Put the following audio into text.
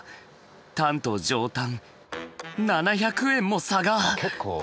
タンと上タン７００円も差が！